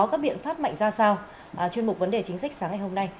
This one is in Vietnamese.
các biện pháp mạnh ra sao chuyên mục vấn đề chính sách sáng ngày hôm nay